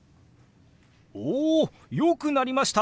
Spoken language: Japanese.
およくなりました！